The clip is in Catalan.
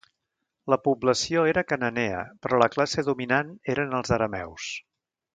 La població era cananea però la classe dominant eren els arameus.